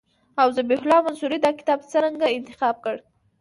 او ذبیح الله منصوري دا کتاب څرنګه انتخاب کړی.